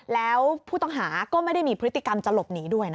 แล้วผู้ต้องหาก็ไม่ได้มีพฤติกรรมจะหลบหนีด้วย